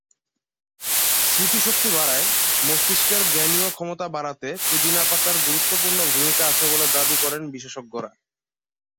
স্মৃতিশক্তি বাড়ায়: মস্তিষ্কের জ্ঞানীয় ক্ষমতা বাড়াতে পুদিনা পাতার গুরুত্বপূর্ণ ভূমিকা আছে বলে দাবি করেন বিশেষজ্ঞরা।